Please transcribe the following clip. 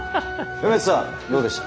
梅津さんどうでした？